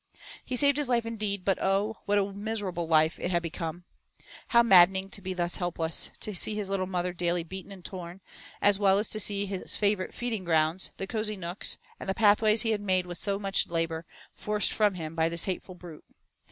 He saved his life indeed, but oh! what a miserable life it had become. How maddening to be thus helpless, to see his little mother daily beaten and torn, as well as to see all his favorite feeding grounds, the cosy nooks, and the pathways he had made with so much labor, forced from him by this hateful brute.